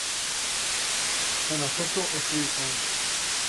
Unofficial issues only.